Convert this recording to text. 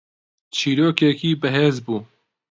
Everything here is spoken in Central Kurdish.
چیرۆکێکی بەهێز بوو